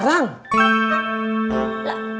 bentar ya mak